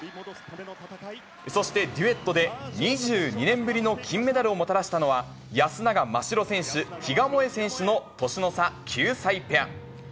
そして、デュエットで、２２年ぶりの金メダルをもたらしたのは、安永真白選手・比嘉もえ選手の年の差９歳ペア。